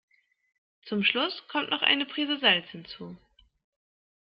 Zum Schluss kommt noch eine Prise Salz hinzu.